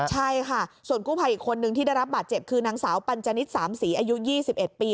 ใช่ค่ะส่วนกู้ภัยอีกคนนึงที่ได้รับบาดเจ็บคือนางสาวปัญจนิดสามศรีอายุ๒๑ปี